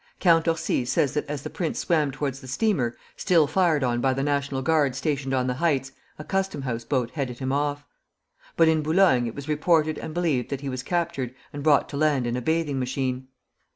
Count Orsi says that as the prince swam towards the steamer, still fired on by the National Guard stationed on the heights, a custom house boat headed him off. But in Boulogne it was reported and believed that he was captured and brought to land in a bathing machine.